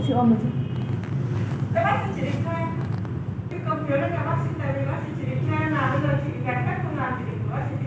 chứ công nhớ đây nè bác sĩ bởi vì bác sĩ chỉ định cho em là bây giờ chị kẻ phép không làm chỉ định của bác sĩ